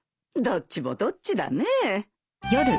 どっちもどっちだねえ。